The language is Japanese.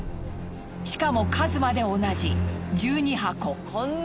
しかも数まで同じ１２箱。